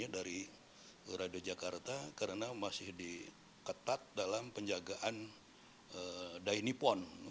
dari radio jakarta karena masih diketat dalam penjagaan dinipon